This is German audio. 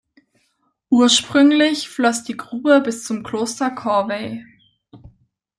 Ursprünglich floss die Grube bis zum Kloster Corvey.